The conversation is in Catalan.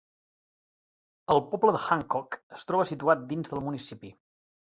El poble de Hancock es troba situat dins del municipi.